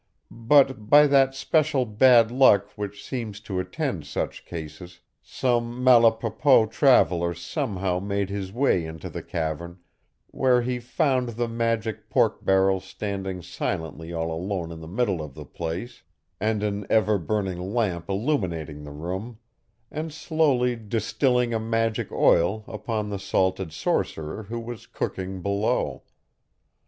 But by that special bad luck which seems to attend such cases, some malapropos traveller somehow made his way into the cavern, where he found the magic pork barrel standing silently all alone in the middle of the place, and an ever burning lamp illuminating the room, and slowly distilling a magic oil upon the salted sorcerer who was cooking below.